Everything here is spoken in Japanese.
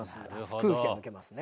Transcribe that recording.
空気が抜けますね。